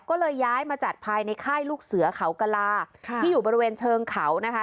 ก็เลยย้ายมาจัดภายในค่ายลูกเสือเขากลาค่ะที่อยู่บริเวณเชิงเขานะคะ